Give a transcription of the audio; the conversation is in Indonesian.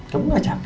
kamu gak capek apa